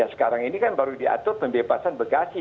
sekarang ini kan baru diatur pembebasan bekasi